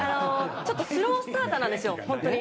ちょっとスロースターターなんですよ、本当に。